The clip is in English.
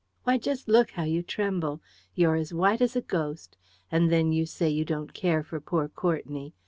Why, just look how you tremble! You're as white as a ghost! And then you say you don't care for poor Courtenay!